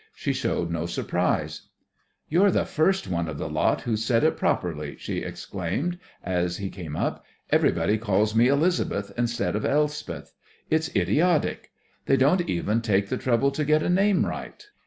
She showed no surprise. "You're the first one of the lot who's said it properly," she exclaimed, as he came up. "Everybody calls me Elizabeth instead of Elspeth. It's idiotic. They don't even take the trouble to get a name right."